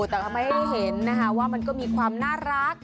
แต่ทำให้ได้เห็นนะคะว่ามันก็มีความน่ารัก